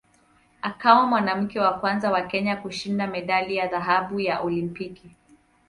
Akawa mwanamke wa kwanza wa Kenya kushinda medali ya dhahabu ya Olimpiki.